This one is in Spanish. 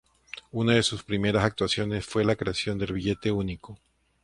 Una de sus primeras actuaciones fue la creación del billete único.